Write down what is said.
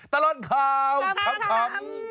ตลอดข่าวขำ